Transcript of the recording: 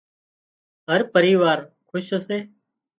هر پريوار کُش سي